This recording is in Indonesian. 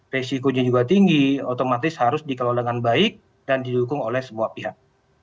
resikonya juga tinggi otomatis harus dikelola dengan baik dan didukung oleh semua pihak